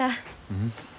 うん？